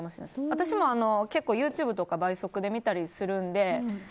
私も結構ＹｏｕＴｕｂｅとか倍速で見たりするので。